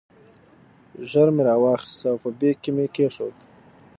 ژر مې را واخیست او په بیک کې مې کېښود.